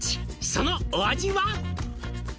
「そのお味は？」